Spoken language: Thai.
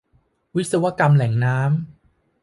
วิศวกรรมแหล่งน้ำ